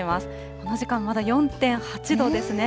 この時間まだ４．８度ですね。